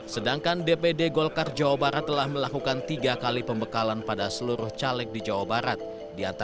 sedangkan dpd golkar jawa barat telah melakukan tiga kali pembekalan pada seluruh caleg di jawa barat